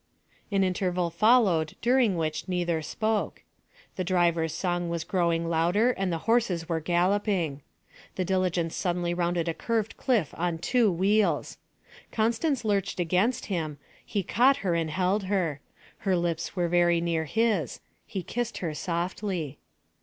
An interval followed during which neither spoke. The driver's song was growing louder and the horses were galloping. The diligence suddenly rounded a curved cliff on two wheels. Constance lurched against him; he caught her and held her. Her lips were very near his; he kissed her softly.